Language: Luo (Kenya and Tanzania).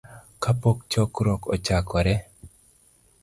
kapok chokruok ochakore.